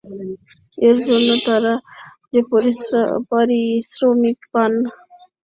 এর জন্য তাঁরা যে পারিশ্রমিক পান, তা বর্তমান বাজারমূল্যে খুব কম।